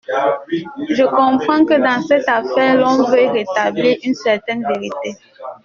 Je comprends que dans cette affaire, l’on veuille rétablir une certaine vérité.